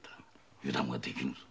油断はできぬ。